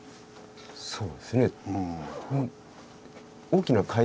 そうですね。